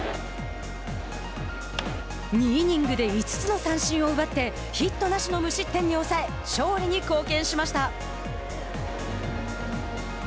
２イニングスで５つの三振を奪ってヒットなしの無失点に抑え勝利に貢献しました。